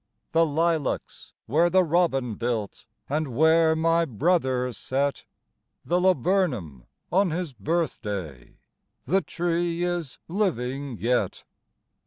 The lilacs where the robin built, And where my brother set The laburnum on his birthday, The tree is living yet!